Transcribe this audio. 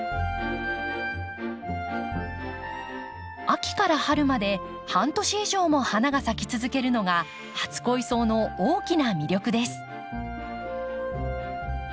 秋から春まで半年以上も花が咲き続けるのが初恋草の大きな魅力です。